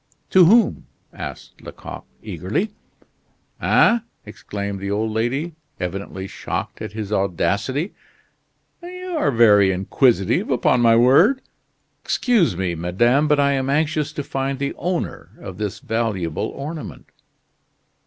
"To whom?" asked Lecoq, eagerly. "Eh?" exclaimed the old lady, evidently shocked at his audacity, "you are very inquisitive upon my word!" "Excuse me, madame, but I am anxious to find the owner of this valuable ornament."